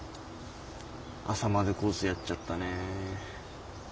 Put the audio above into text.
朝までコースやっちゃったね。